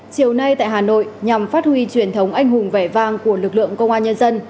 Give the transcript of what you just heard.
chiều nay tại hà nội nhằm phát huy truyền thống anh hùng vẻ vang của lực lượng công an nhân dân